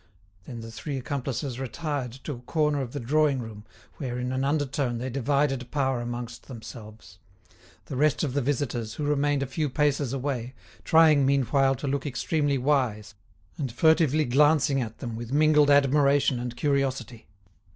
Then the three accomplices retired to a corner of the drawing room, where, in an undertone, they divided power amongst themselves; the rest of the visitors, who remained a few paces away, trying meanwhile to look extremely wise and furtively glancing at them with mingled admiration and curiosity.